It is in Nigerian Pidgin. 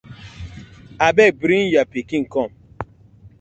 I beg bring yo pikin kom.